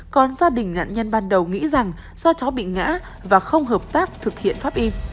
còn gia đình nạn nhân ban đầu nghĩ rằng do chó bị ngã và không hợp tác thực hiện pháp y